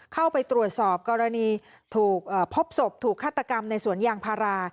เข้าไปตรวจสอบกรณีถูกพบศพถูกฆาตกรรมในสวนยางพารา